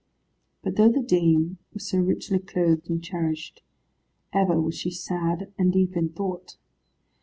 But though the dame was so richly clothed and cherished, ever was she sad and deep in thought.